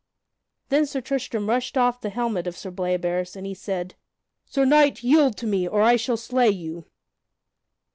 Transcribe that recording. Then Sir Tristram rushed off the helmet of Sir Bleoberis, and he said, "Sir Knight, yield to me or I shall slay you."